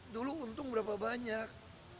dulu untung berapa banyak